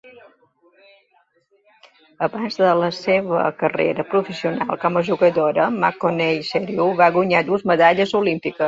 Abans de la seva carrera professional com a jugadora, McConnell Serio va guanyar dues medalles olímpiques.